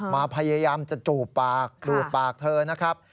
พยายามจะจูบปากจูบปากเธอนะครับ